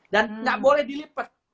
dan nggak boleh dilipet